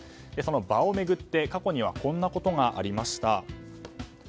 その場を巡って過去にはこんなことがありました。